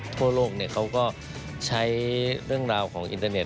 ทั่วโลกเขาก็ใช้เรื่องราวของอินเทอร์เน็